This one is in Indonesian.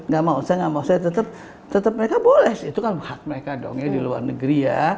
gak mau saya nggak mau saya tetap mereka boleh itu kan hak mereka dong ya di luar negeri ya